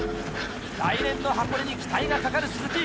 来年の箱根に期待がかかる鈴木。